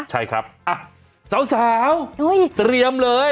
ใช่ครับสาวเตรียมเลย